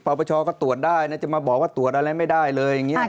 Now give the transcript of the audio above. ปปชก็ตรวจได้นะจะมาบอกว่าตรวจอะไรไม่ได้เลยอย่างนี้